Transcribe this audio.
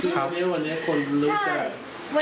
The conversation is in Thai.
คราวนี้วันนี้คนรู้จัก